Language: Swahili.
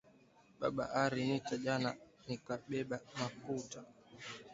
Baba ari nita jana nika bebe makuta